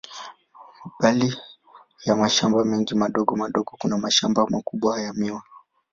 Mbali ya mashamba mengi madogo madogo, kuna mashamba makubwa ya miwa.